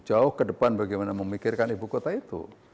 jauh ke depan bagaimana memikirkan ibu kota itu